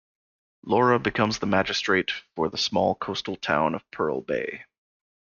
Laura becomes the magistrate for the small coastal town of Pearl Bay.